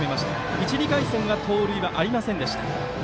１、２回戦は盗塁はありませんでした。